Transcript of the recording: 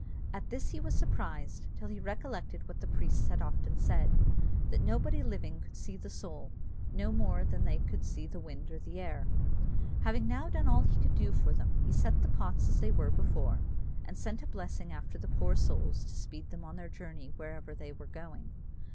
At this he was surprised, till he recollected what the priests had often said, that nobody living could see the soul, no more than they could see the wind or the air. Having now done all that he could do for them, he set the pots as they were before, and sent a blessing after the poor souls to speed them on their journey wherever they were going.